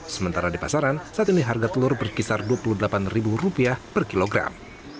sementara di pasaran saat ini harga telur berkisar rp dua puluh delapan per kilogram